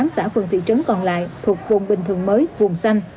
một trăm ba mươi tám xã phường thị trấn còn lại thuộc vùng bình thường mới vùng xanh